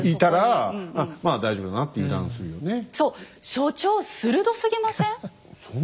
所長鋭すぎません？